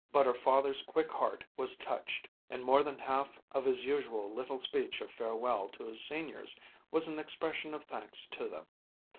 But her father's quick heart was touched, and more than half of his usual little speech of farewell to his Seniors was an expression of thanks to them.